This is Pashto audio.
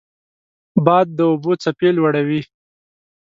باد د اوبو څپې لوړوي